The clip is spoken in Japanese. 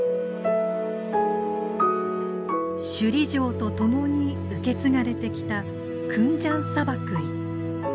首里城と共に受け継がれてきた「国頭サバクイ」。